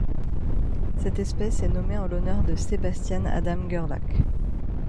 Cette espèce est nommée en l'honneur de Sebastian Adam Gerlach.